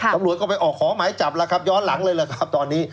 ตำรวจก็ไปออกขอหมายจับแล้วครับย้อนหลังเลยล่ะครับตอนนี้